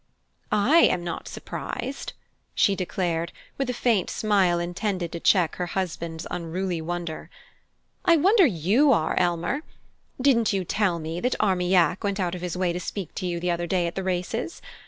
"I am not surprised," she declared, with a faint smile intended to check her husband's unruly wonder. "I wonder you are, Elmer. Didn't you tell me that Armillac went out of his way to speak to you the other day at the races?